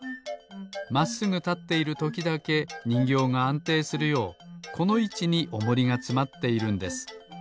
まっすぐたっているときだけにんぎょうがあんていするようこのいちにおもりがつまっているんです。